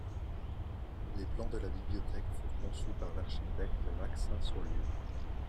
Les plans de la bibliothèque furent conçus par l'architecte Max Sainsaulieu.